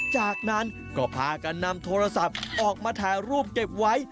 จากนั้นก็พากันนำโทรศัพท์ออกมาถ่ายรูปเก็บไว้